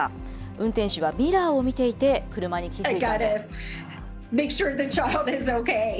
運転手はミラーを見ていて、車に気付いたんです。